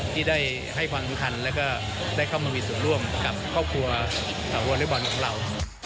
ที่ได้ให้ความสำคัญและเรื่องสุดร่วมกับครอบครัววอลเล็กบอลของเรา